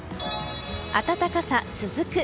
暖かさ続く。